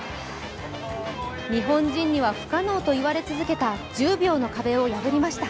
日本人には不可能と言われ続けた１０秒の壁を破りました。